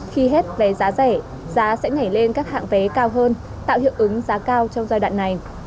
khi hết vé giá rẻ giá sẽ nhảy lên các hạng vé cao hơn tạo hiệu ứng giá cao trong giai đoạn này